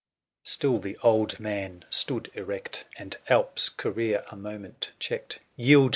Still the old man stood erect. And Alp's career a moment checked.